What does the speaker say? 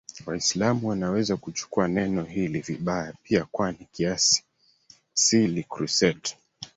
Waislamu wanaweza kuchukua neno hili vibaya pia kwani kiasili Crusade